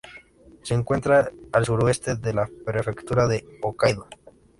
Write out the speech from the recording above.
Se encuentra al suroeste de la prefectura de Hokkaido.